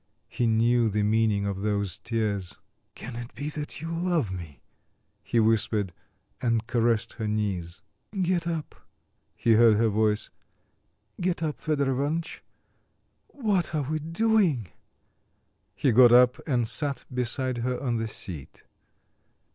He knew the meaning of those tears. "Can it be that you love me?" he whispered, and caressed her knees. "Get up," he heard her voice, "get up, Fedor Ivanitch. What are we doing?" He got up and sat beside her on the seat.